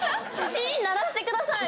チーン鳴らしてください！